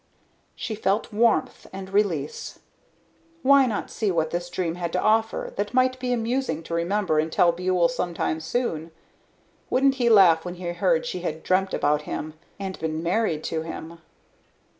She felt warmth and release. Why not see what this dream had to offer that might be amusing to remember and tell Buhl sometime soon. Wouldn't he laugh when he heard she had dreamed about him? And been married to him.